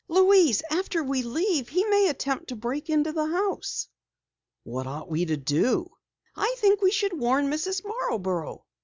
"Louise, after we leave he may attempt to break into the house!" "What ought we to do?" "I think we should warn Mrs. Marborough."